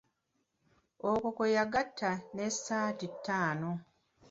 Okwo kwe yagatta n'essaati ttaano.